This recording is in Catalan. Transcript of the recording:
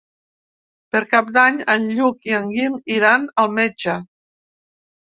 Per Cap d'Any en Lluc i en Guim iran al metge.